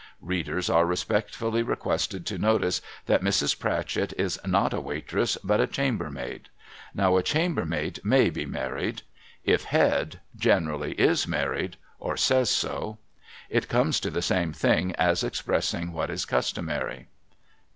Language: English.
Readers are respectfully requested to notice that Mrs. Pratchett was not a waitress, but a chambermaid. Now a chambermaid may be married ; if Head, generally is married, —■ or says so. It comes to the same thing as expressing what is customary.